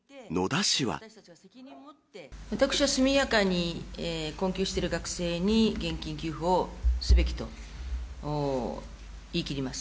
私は速やかに、困窮している学生に、現金給付をすべきと言い切ります。